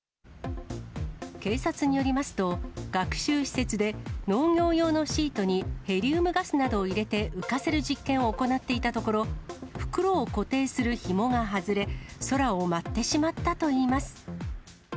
警察によりますと、学習施設で農業用のシートにヘリウムガスなどを入れて浮かせる実験を行っていたところ、袋を固定するひもが外れ、空を舞ってしまったといいます。